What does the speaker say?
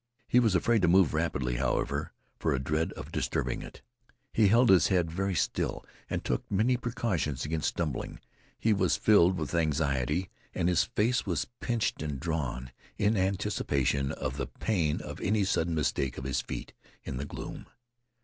He was afraid to move rapidly, however, for a dread of disturbing it. He held his head very still and took many precautions against stumbling. He was filled with anxiety, and his face was pinched and drawn in anticipation of the pain of any sudden mistake of his feet in the gloom.